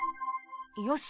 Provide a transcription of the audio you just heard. よし。